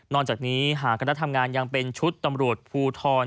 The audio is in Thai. จากนี้หากคณะทำงานยังเป็นชุดตำรวจภูทร